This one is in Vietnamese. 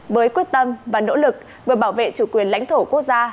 với quyết tâm và nỗ lực vừa bảo vệ chủ quyền lãnh thổ quốc gia